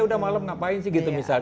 udah malam ngapain sih gitu misalnya